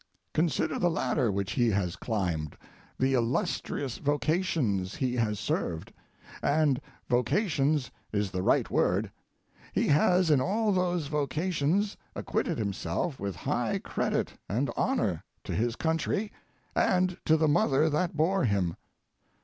Consider the ladder which he has climbed, the illustrious vocations he has served—and vocations is the right word; he has in all those vocations acquitted himself with high credit and honor to his country and to the mother that bore him.